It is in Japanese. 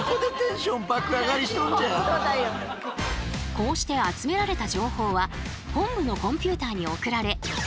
こうして集められた情報は本部のコンピューターに送られアップデート。